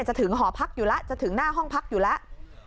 จะถึงหอพักอยู่แล้วจะถึงหน้าห้องพักอยู่แล้ว